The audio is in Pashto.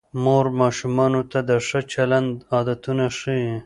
مور ماشومانو ته د ښه چلند عادتونه ښيي